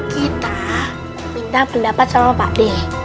kita minta pendapat sama pak b